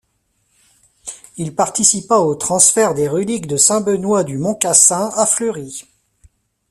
Il participa au transfert des reliques de saint Benoît du Mont-Cassin à Fleury.